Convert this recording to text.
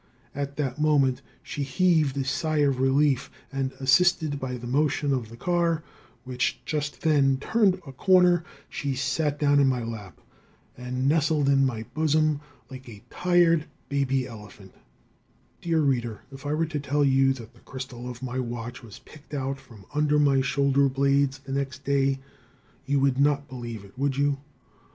At that moment she heaved a sigh of relief, and, assisted by the motion of the car, which just then turned a corner, she sat down in my lap and nestled in my bosom like a tired baby elephant. [Illustration: PATRICK HENRY.] Dear reader, if I were to tell you that the crystal of my watch was picked out from under my shoulder blades the next day, you would not believe it, would you?